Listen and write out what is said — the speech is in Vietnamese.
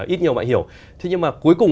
ít nhiều bạn hiểu thế nhưng mà cuối cùng